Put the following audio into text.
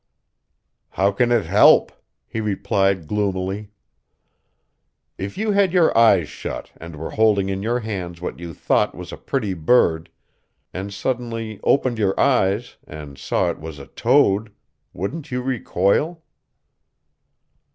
"How can it help?" he replied gloomily. "If you had your eyes shut and were holding in your hands what you thought was a pretty bird and suddenly opened your eyes and saw it was a toad, wouldn't you recoil?"